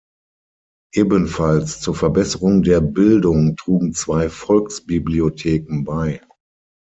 Ebenfalls zur Verbesserung der Bildung trugen zwei Volksbibliotheken bei.